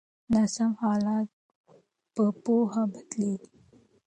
ناسم حالات په پوهه بدلیږي.